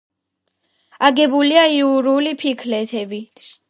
აგებულია იურული ფიქლებით.